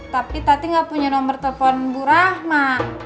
tapi tadi nggak punya nomor telpon bu rahma